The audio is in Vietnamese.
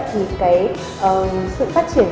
thì sự phát triển